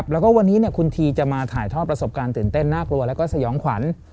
แล้วก็วันนี้คุณทีจะมาถ่ายทอดประสบการณ์ตื่นเต้นน่ากลัวแล้วก็สยองขวัญ